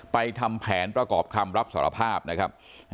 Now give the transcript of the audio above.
ทำแผนประกอบคำรับสารภาพนะครับ